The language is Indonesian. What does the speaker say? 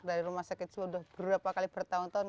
dari rumah sakit sudah berapa kali bertahun tahun